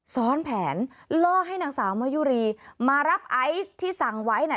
ซ้อนแผนล่อให้นางสาวมะยุรีมารับไอซ์ที่สั่งไว้นะ